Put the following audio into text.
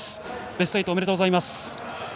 ベスト８おめでとうございます。